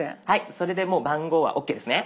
それでもう番号はＯＫですね。